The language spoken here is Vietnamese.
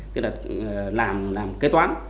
tức là làm kế toán